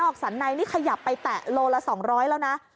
สันในนี่ขยับไปแตะโลละ๒๐๐แล้วนะ